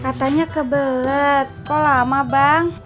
katanya kebelet kok lama bang